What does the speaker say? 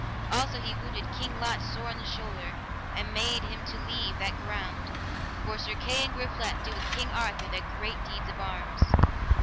Also he wounded King Lot sore on the shoulder, and made him to leave that ground, for Sir Kay and Griflet did with King Arthur there great deeds of arms.